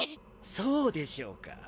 そうでしょうか？